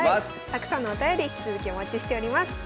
たくさんのお便り引き続きお待ちしております。